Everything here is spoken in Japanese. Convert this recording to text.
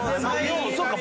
そっか。